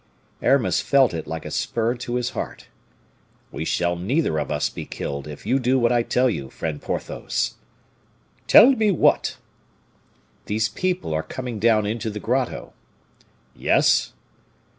Aramis felt it like a spur to his heart. "We shall neither of us be killed if you do what I tell you, friend Porthos." "Tell me what?" "These people are coming down into the grotto." "Yes."